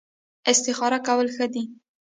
استخاره کول ښه دي